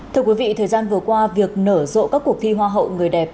thưa quý vị thời gian vừa qua việc nở rộ các cuộc thi hoa hậu người đẹp